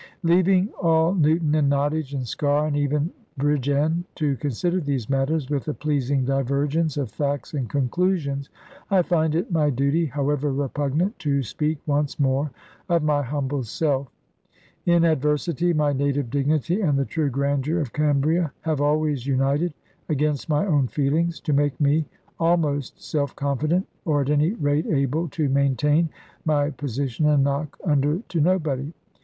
Leaving all Newton, and Nottage, and Sker, and even Bridgend to consider these matters, with a pleasing divergence of facts and conclusions, I find it my duty, however repugnant, to speak once more of my humble self. In adversity, my native dignity and the true grandeur of Cambria have always united, against my own feelings, to make me almost self confident, or at any rate able to maintain my position, and knock under to nobody.